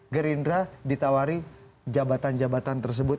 gerindra ditawari jabatan jabatan tersebut